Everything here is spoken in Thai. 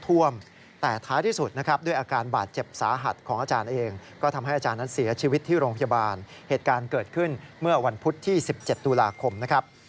วันพุธที่๑๗ตุลาคมนะครับ